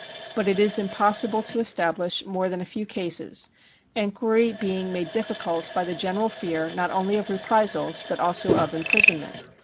But it is impossible to establish more than a few cases, enquiry being made difficult by the general fear not only of reprisals but also of imprison ment.